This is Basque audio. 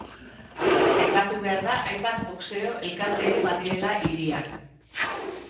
Aipatu behar da hainbat boxeo elkarte ere badirela hirian.